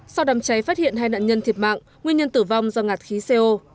sau đám cháy phát hiện hai nạn nhân thiệt mạng nguyên nhân tử vong do ngạt khí co